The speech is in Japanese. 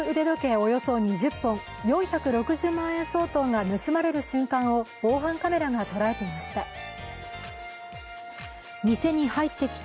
およそ２０本４６０万円相当が盗まれる瞬間を防犯カメラが捉えていました。